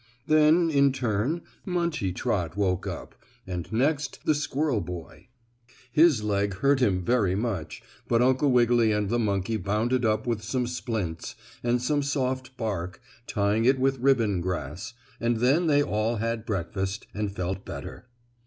Then, in turn, Munchie Trot woke up, and next the squirrel boy. His leg hurt him very much, but Uncle Wiggily and the monkey bound it up with some splints, and some soft bark, tying it with ribbon grass, and then they all had breakfast, and felt better.